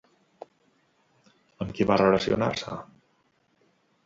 Amb qui va relacionar-se?